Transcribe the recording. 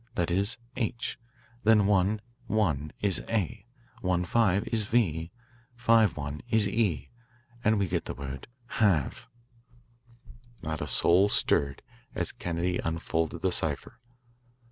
That is 'H.' Then 1 1 is 'A'; 1 5 is 'V'; 5 1 is 'E' and we get the word 'Have.'" Not a soul stirred as Kennedy unfolded the cipher.